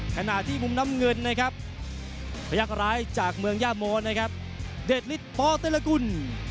ขณะที่มุมน้ำเงินนะครับพยักษร้ายจากเมืองย่าโมนะครับเดชฤทธปเตรกุล